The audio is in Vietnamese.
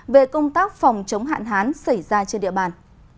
về công tác phòng chống hạn hán xảy ra trên địa bàn